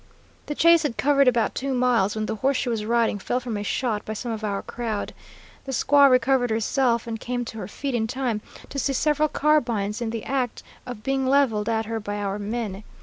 "The chase had covered about two miles, when the horse she was riding fell from a shot by some of our crowd. The squaw recovered herself and came to her feet in time to see several carbines in the act of being leveled at her by our men.